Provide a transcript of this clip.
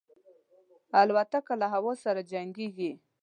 الوتکه له هوا سره جنګيږي.